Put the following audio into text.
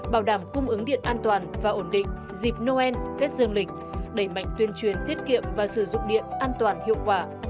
bảo đảm cung ứng điện an toàn và ổn định dịp noel kết dương lịch đẩy mạnh tuyên truyền tiết kiệm và sử dụng điện an toàn hiệu quả